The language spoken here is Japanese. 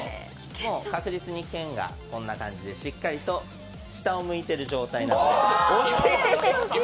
もう確実に、けんがこんな感じでしっかりと下を向いている状態なので。